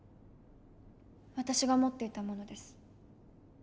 私が持っていたものです。